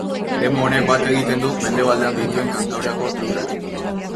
Eremu honek bat egiten du mendebaldean dituen Kantabriako lurrekin.